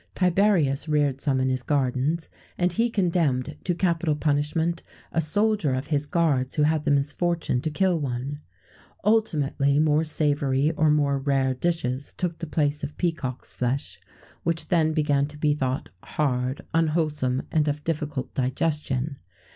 Tiberius reared some in his gardens; and he condemned to capital punishment a soldier of his guards who had the misfortune to kill one.[XVII 129] Ultimately, more savoury or more rare dishes took the place of peacocks' flesh, which then began to be thought hard, unwholesome, and of difficult digestion.